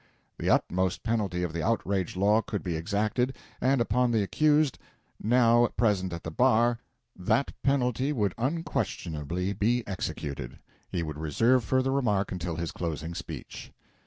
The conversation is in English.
The utmost penalty of the outraged law would be exacted, and upon the accused, now present at the bar, that penalty would unquestionably be executed. He would reserve further remark until his closing speech.